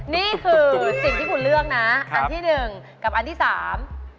นี่คือสิ่งที่คุณเลือกนะอันที่หนึ่งกับอันที่สาม